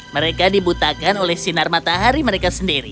mereka dibutakan oleh sinar matahari mereka sendiri